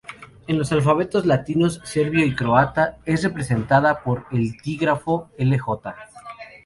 En los alfabetos latinos serbio y croata es representada por el dígrafo Lj.